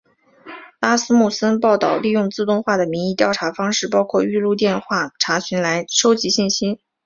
拉斯穆森报导利用自动化的民意调查方式包括预录电话查询来收集信息。